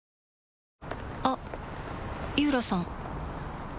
あっ井浦さん